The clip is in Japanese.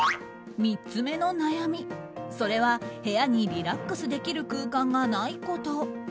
３つ目の悩み、それは部屋にリラックスできる空間がないこと。